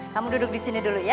kamu duduk disini dulu ya